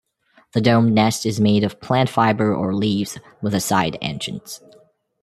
The domed nest is made of plant fibre or leaves with a side entrance.